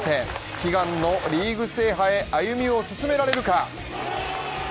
悲願のリーグ制覇へ歩を進められるか？